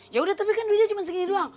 ya udah tapi kan duitnya cuma segini doang